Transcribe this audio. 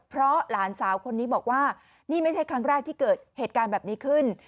เพราะหลานสาวคนนี้บอกว่านี่ไม่ใช่ครั้งแรกที่เกิดเหตุการณ์แบบนี้ขึ้น